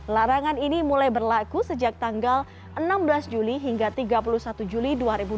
larangan ini mulai berlaku sejak tanggal enam belas juli hingga tiga puluh satu juli dua ribu dua puluh